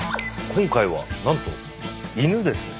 今回はなんと「イヌ」ですね。